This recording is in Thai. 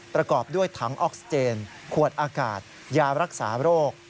ประกอบด้วยถังออกซิเจนขวดอากาศยารักษาโรค